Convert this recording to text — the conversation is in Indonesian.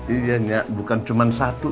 iya nya bukan cuman satu